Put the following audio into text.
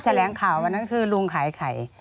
แถลงข่าววันนั้นคือลุงขายไข่